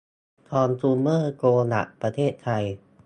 คอนซูมเมอร์ โปรดักส์ ประเทศไทย